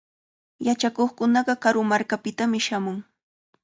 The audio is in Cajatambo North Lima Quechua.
Yachakuqkunaqa karu markakunapitami shamun.